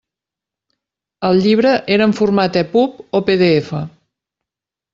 El llibre era en format EPUB o PDF?